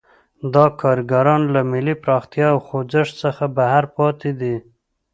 دا کارګران له ملي پراختیا او خوځښت څخه بهر پاتې دي.